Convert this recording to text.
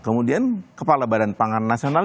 kemudian kepala badan pangan nasional